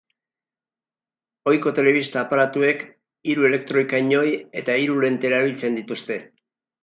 Ohiko telebista-aparatuek hiru elektroi-kanoi eta hiru lente erabiltzen dituzte.